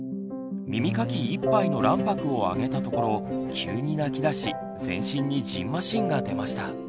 耳かき１杯の卵白をあげたところ急に泣きだし全身にじんましんが出ました。